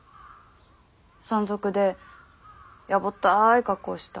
山賊でやぼったい格好した。